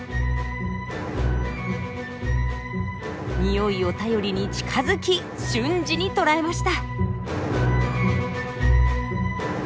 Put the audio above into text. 匂いを頼りに近づき瞬時に捕らえました。